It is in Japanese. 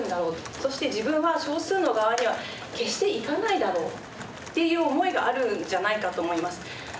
そして自分は「少数の側には決して行かないだろう」っていう思いがあるんじゃないかと思います。